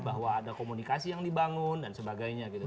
bahwa ada komunikasi yang dibangun dan sebagainya gitu